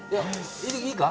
いいか？